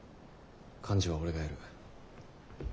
幹事は俺がやる。